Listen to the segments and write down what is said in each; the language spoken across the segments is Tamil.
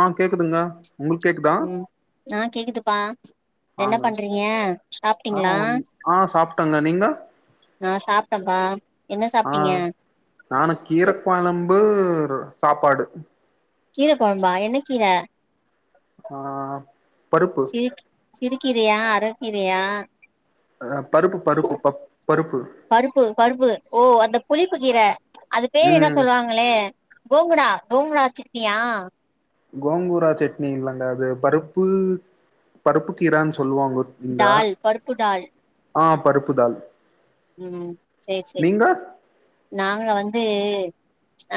ஆ கேக்குதுங்ளா உம் ஆ கேக்குதுப்பா என்ன ஆங்க பண்றீங்க ஆ சாப்ட்டீங்ளா ஒன்- ஆ சாப்ட்டங்க நீங்க நா சாப்ட்டம்பா ஆ நானு கீர கொழம்பு க சாப்பாடு கீர கொழம்பா என்ன கீர ஆ பருப்பு சிறுக்கீரயா அரக்கீரயா அ ஆம் பருப்பு பருப்பு ஓ அந்த புளிப்பு கீர அது பேரு என்னோ ம் சொல்வாங்களே கோங்குடா கோங்குடா சிட்னியா கோங்கூரா சட்னி இல்லங்க அது பருப்பு பருப்பு கீரான்னு சொல்லுவாங்க இங்க டால் பருப்பு டால் ஆ பருப்புதால் உம் செரி செரி நாங்க வ து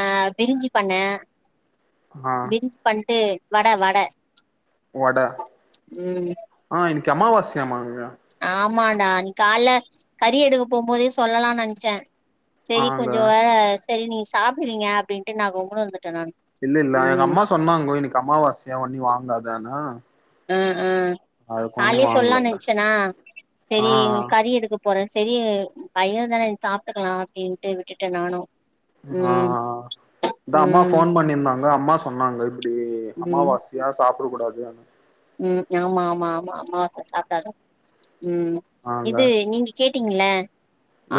ஆ பிரிஞ்சு பண்ணெ பிரிஞ்சு பண்ட்டு வட வட வடை ம் ஆ இன்னிக்கு அம்மாவா கே மாங்கா ஆமான்டா நி கால்ல கறி எடுக்க போம்போதே சொல்லலான்னு நென்சே செரி ஆங்க கொஞ்ச வேற செரி நீங்க சாப்ட்டுவிங்க அப்டின்ட்டு நா கொம்முனு இருந்து இல்லில்ல எங்க அம்மா சொன்னாங்க இன்னிக்கு அம்மாவாசையா ஒன்னுயு வாங்காதனா ஆ ஆ கால்யே சொல்லான்னு வாங்கலங்க நென்ச்சனா ஆ செரி கறி எடுக்க பொற செரி பைய தானே சாப்ட்டுக்கலா அப்டின்ட்டு விட்டுடே நானு ஆ ம் ஆ அ அதா அம்மா ம் ஃபோன் பண்ணிந்தாங்க அம்மா சொன்னாங்கள் டி ம் அமாவாசயா சாப் ருக் கூடாது ம் யாமா ஆமா ஆமா அம்மாவாச சாப்டாத ம் ஆங்க இது நீங்க கேட் டிங்க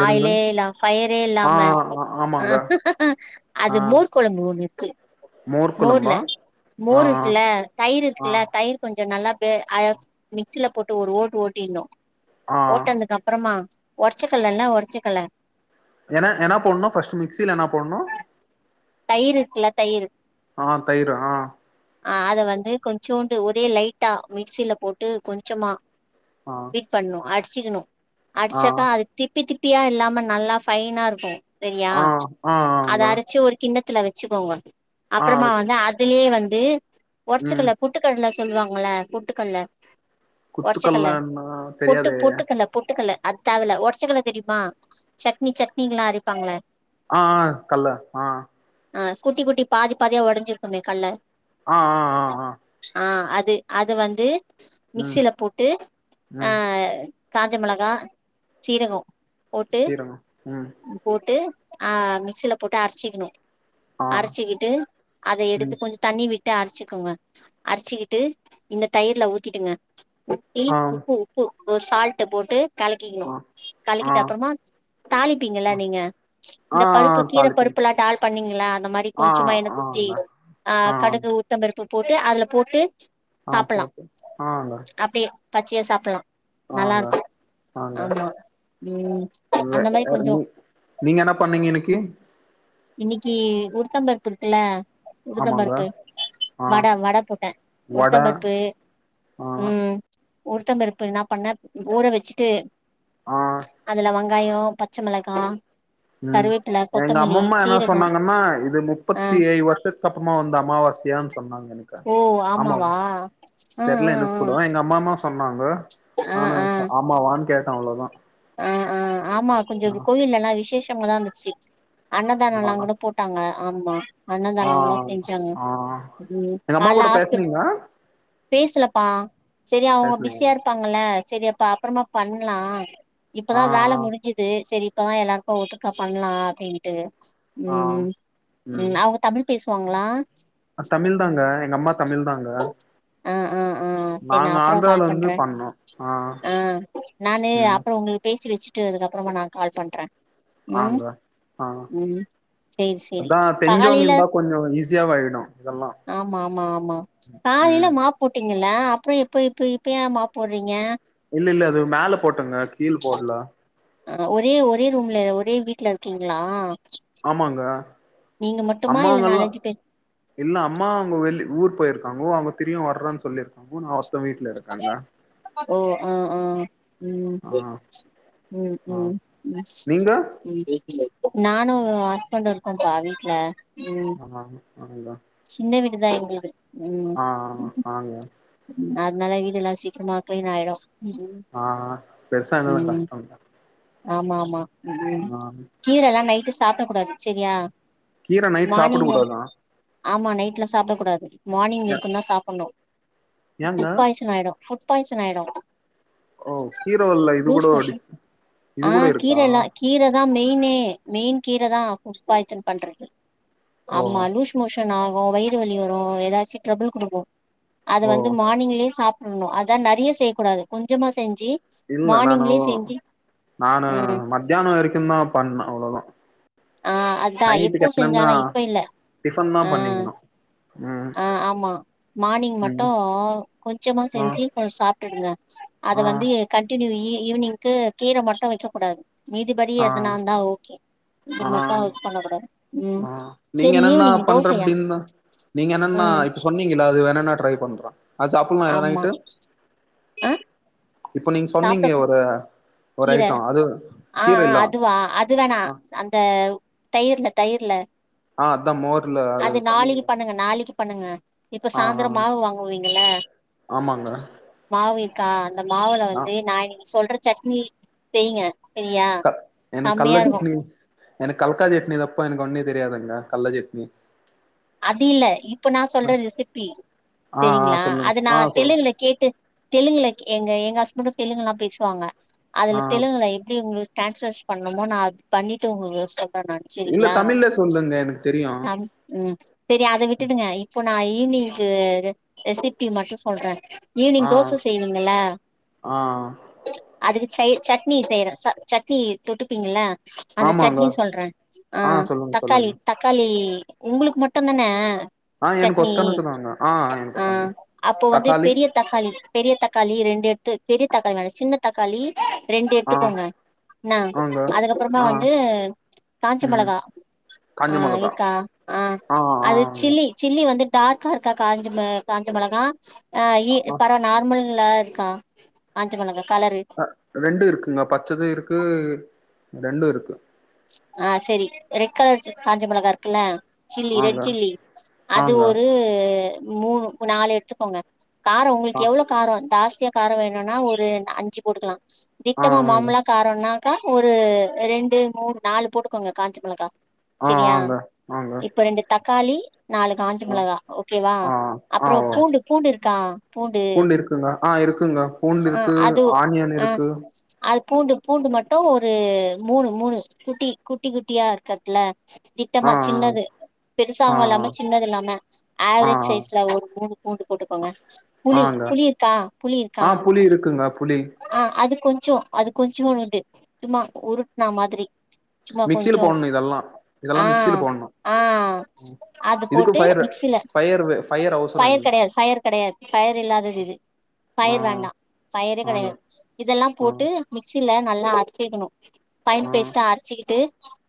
எதுங்க ஆயிலே இல்லாம் ஃபயரே ஆ இல்லாம ஆமாங்க ஆஹ் அது ஆ மோர் குழம்பு ஒன்னு கே மோர் மோர்ல கொழம்பா ஆ மோர் இருக்குல தயிர் ஆ இருக்குல தயிர் கொஞ்சம் நல்லா பே அ மிக்சில போட்டு ஒரு ஓட்டு ஓட்டினும் ஆ ஓட்டுனத்து அப்புறமா உடச்சக்கல்லல்ல உடச்சக்கல்ல என எனா போன்னும் ஃபஸ்ட் மிக்சியில என்னா போனும் தயிருக்குல தயிர் ஆ தயிர் ஆ அஹ் அது வந்து கொஞ்சோண்டு ஒரே லைட்டா மிக்சில போட்டு கொஞ்சமா ஆ பீட் பன்னும் ஆட் சிகுனும் ஆ அடிச்சாக்கா அது திப்பி திப் பியா இல்லாம நல்லா பைனா இருக்கும் சரியா ஆ அத ஆங்க அரச்சு ஒரு கின்னத்துல வச்சுகோங்க ஆ அப்புறமா வந்து அதுலேயே வ ந்து ம் உடச்சக்கல்ல பொட்டுக்கடல சொல்லுவாங்கள பொட்டுக்கல்ல உடச்சக்கல்ல குத்துக்கல்லன்னா பொட்டு தெரியாதே பொட்டுக்கல்ல பொட்டுக்கல்ல அது தேவல உடசக்குல தெரியுமா சட்னி சட்னி எல்லாம் அரப்பாங்கள ஆஹ் கல்ல ஆஹ் ஆஹ் குட்டி குட்டி பாதி பாதியா உடைஞ்சிருக்குமே கல்ல ஆஹ் ஆஹ் ஆஹ் ஆஹ் ஆஹ் அது அது வந்து ம் மிக்சியில போட்டு ம் அஹ் காஞ்ச மிளகாய சீரகம் போட்டு சீரகம் ம் போட்டு ஆஹ் மிக்சில போட்டு அரைச்சிக்கணும் ஆ அரைச்சிக்கிட்டு அத எடுத்து ம் கொஞ்சம் தண்ணி விட் டுஅரைச்சுக்கோங்க அரைச்சிக்கிட்டு இந்த தயிர்ல ஊத்திடுங்க தி ஆ உப்பு உப்பு ஒரு சால்ட்ட போட்டு கலக்கிக்ணு ஆ ஆ கலக்கிட்டு அப்றமா தாளிப்பீங்கள ஆ நீங்க ஆ இந்த பருப்பு கீர தாளிப்பீங் பருப்புலா டால் பண்ணிங்ளா அந்த மாரி ஆ கொஞ்சமா என்ன குத்தி ஆங்க அ ஆ கடுகு உளுத்தம்பர் பு போட்டு அதுல போட்டு ஆஹ் சாப்பலா போட்டு ஆங்க அப்டியே பச்சையா சாப்பலா நல்லா ஆங்க இருக்கு ஆங்க ஆமா ம் வே அந்த மாரி அ கொஞ்சோ நீ நீங்க என்ன பண்ணிங்க இன்னைக்கி இன்னிக்கி உளுத்தம்பருப்புருக்குல ஆமாங்க உளுத்தம்பருப்பு ஆ வட வட போட்டே வட உளுத்தம்பருப்பு ஆ உம் உருத்தம்பருப்பு என்னா பண்ண ஊற வச்சிட்டு ஆஹ் காயோ பச்ச மெளகா உம் எங்க அம்மம்மா என்ன சீரகோ சொன்னாங்கன்னா இது ஆ முப்பத்தி ஏயி வருஷத்துக்கு அப்பமா வந்த அமாவாசையான் சொன்னாங்க எனக்கு ஓ ஆமா ஆமாவா ஆ ஆ தெரில எனக்கு கூட எங்க அம்மாமா சொன்னாங்க ஆனு ஆமாவான்னு கேட் அவ்ளோதா ஆஹ் ஆஹ் ஆமா கொஞ்சொ ஆ கோயில்லலா விசேஷ் டம்களாந்துச்சி அன்னதானொலாங்கூட போட்டாங்க ஆமா அன்னதானோல்லா ஆஹ் செஞ்சாங்க ஆஹ் எங்க அம்மா கூட பேசுனிங்கா பேஸ்லப்பா செரி அவங்க பிஸியா இருப்பாங்கல செரி அப்ப அப்றமா பண்லா இப்ப ஆ தா வேல ஆ முடிஞ்சிது செரி தோ எல்லாருக்கு ஒட்டுக்கா பண்லா அப்டின்ட்டு ஆஹ் ம் உம் ம் அவங்க தமிழ் பேசுவாங்களா அ தமிழ் தாங்க எங்கம்மா தமிழ் தாங்க ஆஹ் ஆஹ் நாங்க ஆந்த்ராலந்து பண்ணோ ஆஹ் உம் உங்கள் பேசி வெச்சிட்டு அதுக்கப்றமா நா கால் பண்றே உம் ஆங்க ஆ உம் சேர் செரி அதா தெரிஞ்சவங்க காலைல இருந்தா கொஞ்சோ ஈஸியாவாயிடு இதெல்லா ஆமா ஆமா ஆமா காலைல ம் மாப் போட்டு இல்ல அப்றொ இப்ப இப்ப இப்பயே மாப் போட்றிங்க இல் இல்ல அது மேல போட்டங்க கீழ் போட்ல ஆஹ் ஒரே ஒரே ரூம்ல ஒரே வீட்ல இருக்கிங்ளா ஆமாங்க மட்டுமா இல்ல அம்மாங்கல்லா நாலஞ்சு பேர் இல்ல அம்மா அவங்க வெள்ளி ஊர் பொயிருக்காங்கோ அவங்க திரியு வர்றன்னு சொல்லியிருக்காங் நா ஒருத்த வீட்ல இருக்கங்க ஓ ஆஹ் ஆஹ் உம் ஆ உம் ஆ உம் நீங்க உம் நானு அஸ்பண்ட்டு கொங்கா வீட்ல ம் அஹா அனுங்க சின்ன வீடு தா எங்கள்து ஆஹ் ஆ ஆங்க அத்னால வீடுல்லா சீக்ரமா கிளீன் ஆய்டு ஆஹ் ஆ பெருசா என்ன தா கஷ்டம்ல ஆமா ஆமா உம் கீரல்லா நைட்டுஸ் சாப்ட கூடாது செரியா கீர நைட் சாப்புட மார்னிங் கூடாதா ஆமா நைட்ல சாப்ட கூடாது மானிங் ஏ இருக்குன்னா சாப்புட்ணு ஏங்க ஃபுட் பாய்சன் ஆய்டு ஃபுட் பாய்சன் ஆய்டு ஓ கீரவல்ல இதுகூட அடி மோஷன் இது ஆ கூட இருக்கா கீரல்லா கீரதா மெயினே மெயின் கீர தா ஃபுட் பாய்சன் பண்றது ஓ ஆமா லூஸ் மோஷ் ஷன் ஆகு வயிறு வலி வரு ஏதாச்சி ட்ரபுள் குடுக்கு அது ஓ வந்து மார்னிங்லயே சாப் புட்ணு அதா நெறையா செய்யக்கூடாது கொஞ்சமா செஞ்சு இல்ல நானூ மார்னிங்லயே செஞ்சு நானு ம் மத்யானொ வரைக்கு தா பண்ணே அவ்ளதா ஆஹ் அதா எப்போ செஞ்சாலு இப்ப இல்ல டிஃபன் தா ஆஹ் பண்ணிக்கணு ம் ஆஹ் ஆமா மார்னிங் மட்டூ ம் கொஞ்சமா ஆ செஞ்சி சாப் டுடுங்க அத ஆ வந்து கண்டின்யூ இ ஈவினிங்க்கு கீர மட்டு வைக்க கூடாது மீதிபடி ஆ எதனாந்தா ஓகே இது மட்டூ பண்ண கூடாது ம் ஆஹ் நீங்க சரி எனனா ஈவினிங் பண்ற தோசையா அப்டின்னு நீங்க ஆ எனனா இப்ப சொன்னிங்கள அது வேர் எனனா ட்ரை பண்றா அது சப்புமா ஆமா எரனாய்ட்டு ஆ இப்பொ நீங் சொன்னிங்க சாப்ட்ட ஒரு ஒரு கீர ஐட்டோ அது ஆஹ் ஆஹ் கீரைல்லா அதுவா அதுவேணா ஆ அந்த ஆவ் தயிர்ல தயிர்ல ஆ அதா மோர்ல அது சொன்னீங்க நாளைக்கு பண்ணுங்க நாளைக்கு பண்ணுங்க இப்ப ஆ ஆ சாயந்தரம் மாவு வாங்குவீங்கள ஆமாங்க மாவு கா அந்த மாவுல ஆ வந்து நா இன்னைக்கி சொல்றது மீட் செய்ங்க க எனக் கல்ல செம்மையா சட்னி இருக்கு எனக் கல்க்கா சட்னி தாப்பா எனக்கு ஒன்னே தெரியாதுங்க கல்ல சட்னி அது இல்ல இப்ப நா சொல்ற ரெசிபி ஆ ஆ செரிங்ளா சொல்லுங்க அது நா ஆ சொல் தெலுகுல கேட்டு தெலுங்குலக் எங்க எங்க ஹஸ்பண்டு தெலுங்கெல்லா பேசுவாங்க ஆ அதுல தெலுங்குல எப்டி உங்களுக் டேன்ஸ்வஸ் பண்ணணுமோ நா அது பண்ணிட்டு உங்களுக்கு சொ இல்ல தமிழ்லே சொல்லுங்க எனக்கு தெரியு அம் ம் செரி அத விட்டுடுங்க இப்ப நா ஈவ்னிங்கு ரெசிபி மட்டு சொல்றே ஈவ்னிங் தோச செய்விங்கள ஆ அதுக்கு சை சட்னி செய்றே ச சட்னி தொட்டுப்பிங்கள அந்த ஆமாங்க சட்னி சொல்றே ஆ ஆஹ் சொல்லுங்க தக்காளி சொல்லுங்க தக்காளி உங்ளுக்கு மட் ட்டுந்தான ஆ எனக்கு சட்னீ ஒத்தனுக்கு தாங்க ஆ எனக்கு ஆஹ் ஒத்தனுக்கு அப்போ வந்து தக்காளி பெரிய தக்காளி பெரிய தக்காளி ரெண்டு எடுத்து பெரிய தக்காளி வேணா சின்னத் தக்காளி ரெண்டு ஆ எடுத்துக்கோங்க என்னா ஆங்க அதுக்கப்றமா ஆ வந்து காஞ்ச ம் மெளகா காஞ்ச ஆஹ் மொளகா இருக்கா ஆஹ் ஆ அது ஆங்க சில்லி சில்லி வந்து டார்க்கா இருக்கா காஞ்சமெ காஞ்ச மெளகா ஆஹ் இ ஆ பரவா நார்மல் ல்லா இருக்கா காஞ்ச மொளகா ஆ ரெண்டு இருக்குங்க பச்சது இருக்கு ரெண்டு இருக்கு ஆ செரி ரெட் கலர் காஞ்ச மிளகா இருக்குல்ல சில்லி ஆங்க ரெட் சில்லி அது ஆங்க ஒரு மூணு நாலு எடுத்துக்கோங்க காரோ உங்குள்க் ஆ எவ்ளோ காரோ தாஸ் சியா காரோ வேணுன்னா ஒரு ந அஞ்சு போட்டுக்கலா ஆ திட்டமா ஆங்க மாமுலா காரோனா காரோ ஒரு ரெண்டு மூணு நாலு போட்டுக்கோங்க காஞ்ச மிளகா ஆ ஆங்க ஆங்க காலி நாலு காஞ்ச ஆ மிளகா ஓகேவா ஆ ஆ அப்புறோ ஓ பூண்டு பூண்டு இருக்கா பூண்டு இருக்குங்க ஆ இருக்குங்க பூண்டு ஆ இருக்கு அது ஒ ஆனியன் ஆ இருக்கு அது பூண்டு பூண்டு மட்டோ ஒரு மூணு மூணு குட்டி குட்டி குட்டியா [unintelligible] ஆ திட்டமா சின்னது ஆ ஆ பெருசாவு இல்லாம சின்னதில்லாம ஆ ஆவுரேஜ் சைஸ்ல ஒரு பூண்டு பூண்டு போட்டுக்கோங்க ஆ புளி ஆங்க புளி இர்கா புளி இர்கா ஆ புளி இருக்குங்க புளி ஆ அதுக் கொஞ்சோ அது கொஞ்சுமோல் உர்டி தும்மா உருட்னா மாதிரி சும்மா மிக்சில கொஞ்சோ போடணு இதெல்லா இதெல்லா ஆ மிக்சில போடணு ஆ அது இதுக்கு போட்டு ஃபயர் மிக்ஸ்சில ஃபயர் வே அவசர ஃபயர் இல்ல கெடையாது ஃபயர் கெடையாது ஃபயர் இல்லாதது இது ஆ ஃபயர் வேண்டா ஃபயரே கெடையாது ஆங்க இதெல்லா ஆ போட்டு மிக்ஸ்சில நல்லா அர்ச்சிக்குணு ஃபைன் ஆ பேஸ்ட்டா அர்ச்சிக்கிட்டு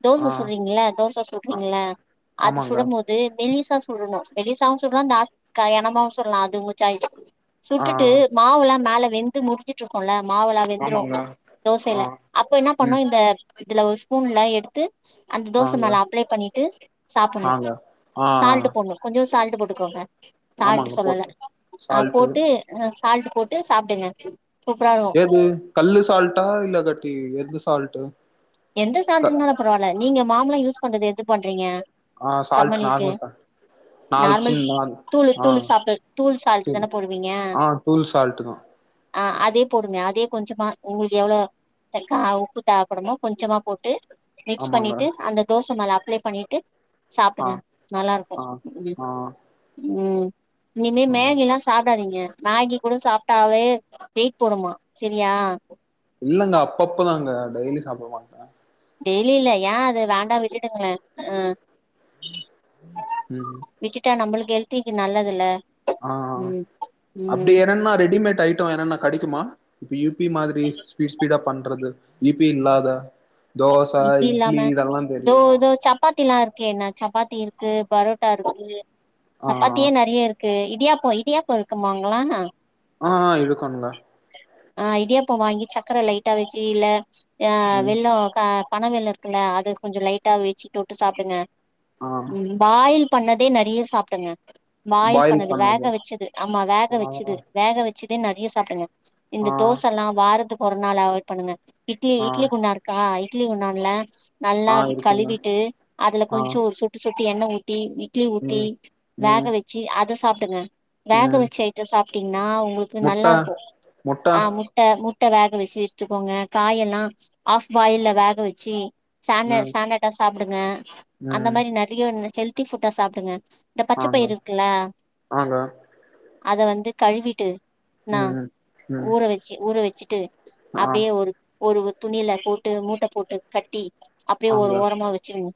தோச ஆ சுட்றீங்கள தோச ஆ சுட்றீங்கள அது ஆமாங்க சுறம் மோது மெல்லிஸா சுட்றணு மெல்லிசாவு சுட்றா தாஸ் கய கனமாவு சுட்லா அது உங்க சாய்ஸ் ஆ சுட்டுட்டு மாவுல்லா மேல வெந்து மு வெந்துட்டுருக்கோல மாவெளா வெந்துரோ ஆமாங்க தோசைல ஆ அப்ப என்னா பண்ணோ ம் இந்த இதுல ஒர் ஸ்பூன்ல எடுத்து அந்த தோச ஆங்க மேல அப்ளே பண்ணிட்டு சாப்புணு ஆங்க ஆ சால்ட்டு போட்ணு கொஞ்சோ சால் து போட்டுக்கோங்க சால்ட்டு ஆமாங்க சொல்லல போட்ட ஆ சால்ட்டு போட்டு ஆ சால்ட் போட்டு சாப்டுங்க சூப்பரா இருக்கு எது கல்லு சால்ட்டா இல்ல க து எது சால்ட்டு எந்த க சால்ட் இருந்தாலு பரவால்ல நீங்க மாமழோ யூஸ் பண்றது எது பண்றீங்க ஆ சால்ட் சம்மன் லீவுக்கு நார்மல் சால்ட் நாலு நார்மல் சின் நால் தூளு ஆ தூள் சாப்பிட தூள் சால்ட்டு தானே போடுவீங்க ஆ தூள் சால்ட்டு தா ஆ அதே போடுங்க அதே கொஞ்சுமா உங்களுக்கு எவ்வளோதெக்க உப்பு தேவேபடுமோ கொஞ்சமா போட்டு மிக்ஸ் ஆமாங்க பண்ணிட்டு அந்த தோச மேல அப்ளை பண்ணிட்டு ஆ சாப்பிடுங்க நல்லா இருக்கு ஆ உ ஆ உம் இனிமே ஆ மேகி எல்லா சாப்பிடாதீங்க மேகி கூட சாப்பிட்டாவே வெயிட் போடுமா செரியா இல்லங்க அப்பப்பதாங்க டெய்லி சாப்பிட மாட்டே டெய்லி இல்ல ஏ அது வேண்டா விட்டுடுங்களே ஆ உம் ம் ஹல்த்திக்கு நல்லது இல்ல ஆ அப்பிடி என்னன்னா ரெடிமேட் ஐட்டோ என்னன்னா கெடைக்குமா வியூ இப்பி மாதிரி ஸ்பீட்டு ஸ்பீடா பண்ணு து இப்பி இல்லாத தோச இப்பி இட்லி இல்லாம இதெல்லா தெரியு இதோ ஆ இதோ சப்பாத்தி எல்லா இருக்கு ஓக்கேனா சப்பாத்தி இருக்கு பரோட்டா இருக்கு சப்பாத்தியே ஆ நெறையா இருக்கு இடியாப்போ இடியாப்போ இருக்குமுங்கா ஆ ஆ இருகாமுங்க ஆ இடியப்போ வாங்கி சக்கரை லைட்டா வச்சு இல்ல ஆ ம் வெல்லம் கா பனவெல்லோ இருக்குல்ல அது கொஞ்சு லைட்டா வெச்சி தொட்டு சாப்பிடுங்க ஆ உம் பாயில் பண்ணதே நறையா சாப்பிடுங்க பாயில் பண்ணது வேக வச்சது ஆமா வேக வச்சது ஆ வேக வச்ச சிதே நறையா சாப்பிடுங்க இந்த ஆ தோச எல்லா வாரதுக்கு ஒரு நாள் அவாட் பண்ணுங்க இட்லி ஆ இட்லி குண்டா இருக்கா இட்லி குண்டான்ல நல்லா ஆ இருக்குங்க கழுவிட்டு அதுல ஆ கொஞ்சு ஒரு சொட்டு சொட்டு எண்ண ஊத் இட்லி ஊத்தி ம் வேக ம் வச்சு அத சாப்ப டுங்க வேக ம் வச்ச ஆயிட்ட சாப்பிடு டிங்னா உங்களுக்கு முட்ட நல்லா இருக்கு முட்ட ஆ முட்ட முட்ட வேக வச்சு வச்சிக்கோங்க காயெல்லா ஆஃப் பாயில்ல வேக வச்சு சான ம் சனாடெஸ் சாப்பிடுங்க அந்த ம் மாரி நறைய ஒண்ணு ஹல்தி புட்டா சாப்பிடுங்க இந்த பச்சை ஆங்க பயிர் இருக்குல்ல ஆங்க அத வந்து கழுவிட்டு உம் நா ம் ம் ஊற வச்சி ஊற வெச்சுட்டு ஆ அப்பிடியே ஒரு ஒரு துணியில போட்டு மூட்ட போட்டு கட்டி அப்படியே ஒரு ஆங்க ஓரமா வச்சிருங்க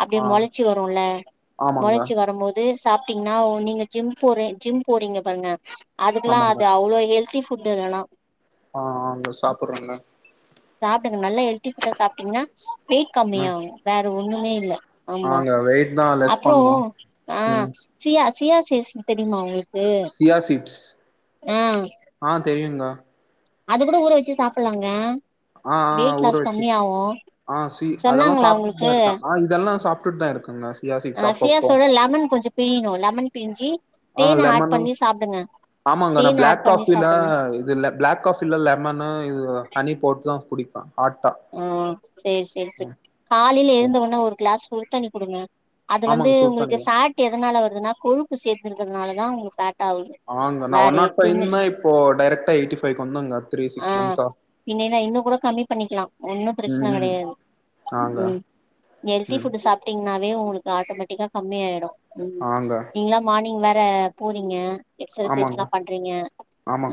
அப்படியே ஆ முளைச்சி வரும்ல ஆமாங்க முளைச்சி வரும்போது சாப்பிட்டீங்கன்னா நீங்க ஜிம் போற ஜிம் போறீங்க பாருங்க அதுக்கலா ஆமாங்க அது அவ்ளோ ஹெல்த்தி ஃபிட்டுதெல்லா ஆ ஆங்க சாப்பிடுறேங்க சாப் சாப்பிடுங்க நல்லா ஹெல்த்தி புட்டா சாப்பிட்டீங்கன்னா வெயிட் ம் கம்மியாகு வேற ஒண்ணுமே இல்ல ஆமா ஆங்க வெயிட் தா லெஸ் அப்றோ பண்ணு ஆ ம் சியாஸ் சியா சீட்ஸ் தெரியுமா உங்களு சியாசீட்ஸ் ஆ தெரியுங்க அது கூட ஊற வச்சு சாப்பலாங்க ஆ ஆ ஊற வெச்சு ஆ சி அதெல்லா சொன்னாங்களா உங்களுக்கு சாப்பிட்டுட்டுதா இருக்க ஆ இதெல்லா சாப் சாப்புட்டா தா இருக்கங்க அ சியாசோட லெமன் கொஞ்சு பிளியணு லெமன் பிளிஞ்சி ஆ லெமன்னு ஆமாங்க நா தேன் ஆட் பிளாக் பண்ணி காபில சாப்டுங்க இது பிளாக் காபில லெமன்னு இது ஹனி போட்டுதா குடிப் ஆ செரி செரி செரி ம் காலையில ம் எழுந்த உனா ஒரு கிளாஸ் சுடு தண்ணி குடுங்க அது வந்து ஆமாங்க சூடு உங்களுக்கு தண்ணில ப்பேட்டு எதனால வருதுன்னா கொழுப்பு சேர்த் இருக்கருதனால உங்க பேட் ஆ நா ஒன் நாட் ஃய்வ் இப்போ டெரக்டா எயிட்டிபைவ்கு வந்தங்க த்ரீ ஆ சிக்ஸ் மந்த்ஸா ஒன்னும் ம் பிரச்சன ம் கெடையாது ஆங்க ம் ஹெல்தி ம் ஃபுட் சாப்பிட்டீங் னாவே உங்களுக்கு ஆட்டோமேட்டிக்கா கம்மியாயிடு ம் ஆங்க நீங்களா மார்னிங் வே ப்ப போறீங்க ஆமாங்க எக்ச்சைஸ்லா பண்றீங்க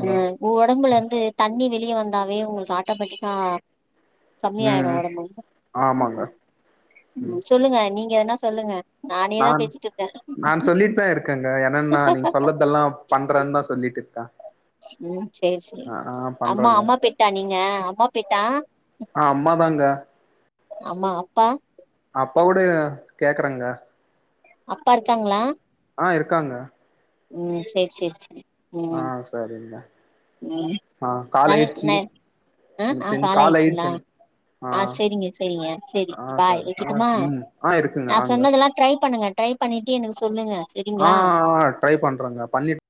ஆ ஒடம்புல இருந் அது தண்ணி வெளியே வந்தாவே உங்களுக்கு ஆட்டோமேட்டிக்கா ம் கம்மியாயிடு ம் ஒடம்பு ஆமாங்க ம் சொல்லுங்க அ நீ இங்க என்ன சொல்லுங்க நானேதா நான் பேசிட்டு இருக்கே நான் சொல்லிட்டு தா இருக்கேங்க என்னன்னா நீங்க சொல்லதெல்லா பண்றன்னு தா சொல்லிட்டு இருக்கே உம் செரி செரி ஆ ஆ அம்மா பண்றேங்க அம்மா பெட்டா நீங் ஹ அம்மா பெட்டா ஆ அம்மாதாங்க அம்மா அப்பா அப்பாவுடைய கேக்குறேங்க அப்பா இருக்காங்களா ஆ இருக்காங்க உம் சேரி சேரி சேரி ஆ சரிங்க உம் ஆ கால் ஆயிடுச்சு ந ஆ எனக்கு ஆ தெரிஞ்சு கால் ஆயிடுச்சு காலாயிச்சுங்ளா எனக்கு ஆ சேரிங்க சேரிங்க சேரி ஆ பாய் சார் ஆ வச்சட்டுமா ம் ஆ இருக்குங்க நா அங்க சொன்னதெல்லா ட்ரை பண்ணுங்க ட்ரை பண்ணிட்டு எனக்கு சொல்லுங்க ஆ சரிங்களா ஆ ட்ரை பண்றங்க பண்ணிட்